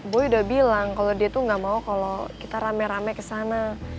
gue udah bilang kalau dia tuh gak mau kalau kita rame rame ke sana